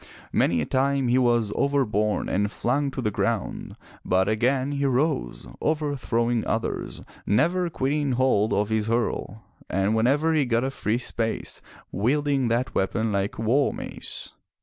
Many a time he was overborne and flung to the ground, but again he arose, overthrowing others, never quitting hold of his hurle, and whenever he got a free space, wielding that weapon 402 FROM THE TOWER WINDOW like a war mace.